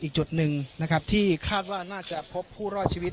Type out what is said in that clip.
อีกจุดหนึ่งนะครับที่คาดว่าน่าจะพบผู้รอดชีวิต